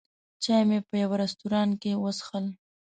چای مې په یوه رستورانت کې وڅښل.